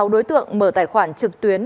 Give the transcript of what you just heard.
sáu đối tượng mở tài khoản trực tuyến